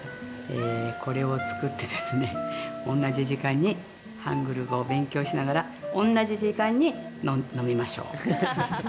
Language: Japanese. これを作ってですね、同じ時間にハングル語を勉強しながら同じ時間に飲みましょう。